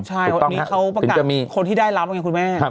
อ๋อใช่มีเขาประกันคนที่ได้รับคุณแม่